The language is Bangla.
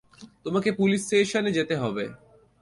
তোমাকে পুলিশ স্টেশনে যেতে হবে।